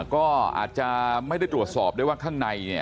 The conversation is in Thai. ก็อาจจะไม่ได้ตรวจสอบได้ว่าข้างใน